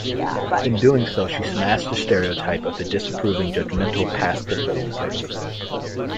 In doing so she smashed the stereotype of the disapproving, judgmental, past-it, old person.